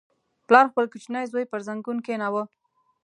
• پلار خپل کوچنی زوی پر زنګون کښېناوه.